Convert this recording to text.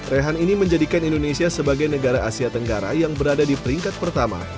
rehan ini menjadikan indonesia sebagai negara asia tenggara yang berada di peringkat pertama